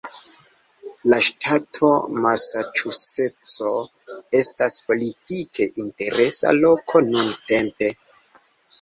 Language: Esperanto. La ŝtato Masaĉuseco estas politike interesa loko nuntempe.